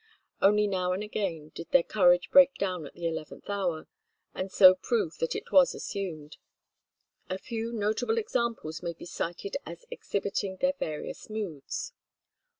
Only now and again did their courage break down at the eleventh hour, and so prove that it was assumed. A few notable examples may be cited as exhibiting their various moods.